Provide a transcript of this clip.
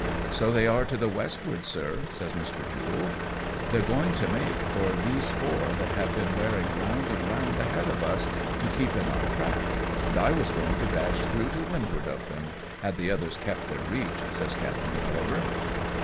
"So they are to the westward, sir," says Mr. Jule. "They^re going to make for these four that have been wearing round and round ahead of us to keep in our track, and I was going to dash through to wind ward of them had the others kept their reach," says Captain GuUivar.